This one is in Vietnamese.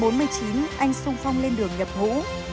năm một nghìn chín trăm bốn mươi chín anh sung phong lên đường nhập hũ